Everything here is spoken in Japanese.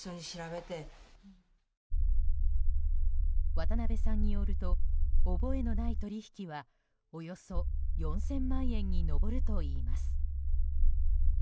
渡辺さんによると覚えのない取引はおよそ４０００万円に上るといいます。